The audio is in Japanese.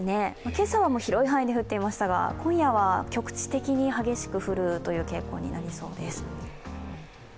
今朝は広い範囲で降っていましたが、今夜は局地的に激しく降るという傾向になりそうです。